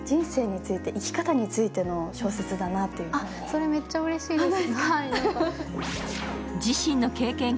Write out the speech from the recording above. それめっちゃうれしいです。